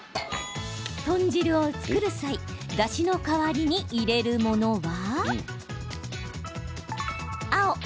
豚汁を作る際だしの代わりに入れるものは？